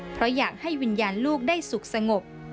เพราะอยากให้วิญญาณลูกได้สุขสงบ